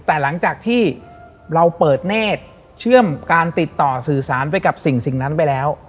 แต่หลังจากที่เราเปิดเนธเชื่อมการติดต่อสื่อสารไปกับสิ่งนั้นไปแล้ว